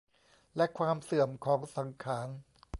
และความเสื่อมของสังขาร